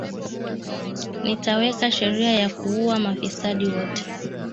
Nitaweka sheria ya kuua mafisadi wote